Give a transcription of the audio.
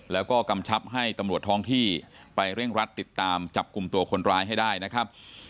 แล้วก็กำชับให้ตำรวจท้องที่ไปเร่งรัดติดตามจับกลุ่มตัวคนร้ายให้ได้นะครับ